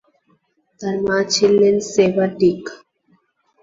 তার মা ছিলেন সেফারডিক।